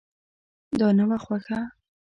دا نه وه خوښه.